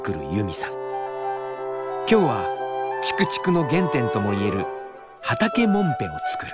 今日はちくちくの原点ともいえる畑もんぺを作る。